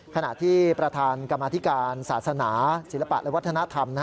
ขณะที่ประธานกรรมธิการศาสนาศิลปะและวัฒนธรรม